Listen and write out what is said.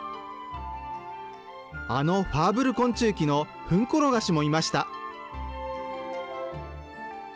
あのファーブル昆虫記のフンコロガシもいました。